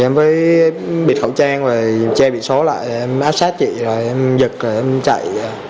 em bịt khẩu trang em che bịt số lại em áp sát chị em giật em chạy